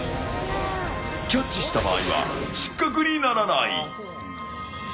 キャッチした場合は失格にならない。